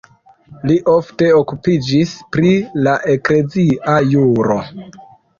Li ofte okupiĝis pri la eklezia juro.